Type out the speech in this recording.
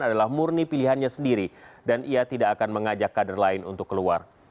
adalah murni pilihannya sendiri dan ia tidak akan mengajak kader lain untuk keluar